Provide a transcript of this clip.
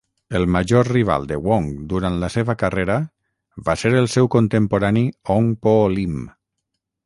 El major rival de Wong durant la seva carrera va ser el seu contemporani Ong Poh Lim.